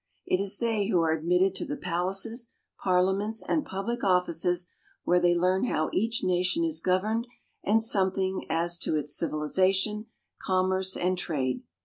It is they who are admitted to the palaces, parliaments, and public offices where they learn how each nation is governed and something as to its civilization, commerce, and trade.